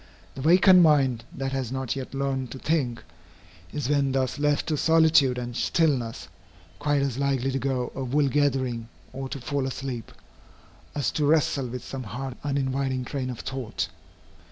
The vacant mind, that has not yet learned to think, is when thus left to solitude and stillness, quite as likely to go a wool gathering, or to fall asleep, as to wrestle with some hard uninviting train of thought.